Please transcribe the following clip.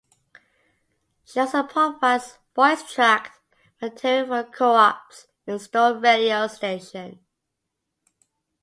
She also provides voicetracked material for the Co-op's in-store radio station.